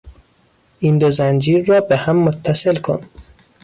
این دو زنجیر را بهم متصل کن!